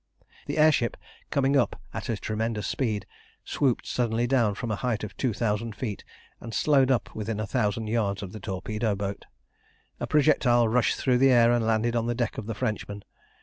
The air ship, coming up at a tremendous speed, swooped suddenly down from a height of two thousand feet, and slowed up within a thousand yards of the torpedo boat. A projectile rushed through the air and landed on the deck of the Frenchman.